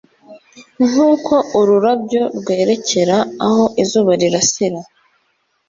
Nk'uko ururabyo rwerekera aho izuba rirasira